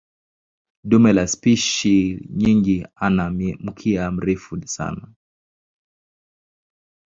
Dume la spishi nyingi ana mkia mrefu sana.